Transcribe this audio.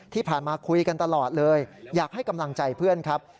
ที่ผ่านมาคุยกันตลอดเลยอยากให้กำลังใจเพื่อนครับ